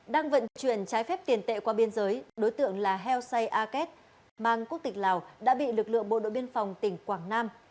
đang vận chuyển trái phép tiền tệ qua biên giới đối tượng là heo sai a ket mang quốc tịch lào đã bị lực lượng bộ đội biên phòng tỉnh quảng nam